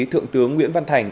thượng tướng nguyễn văn thành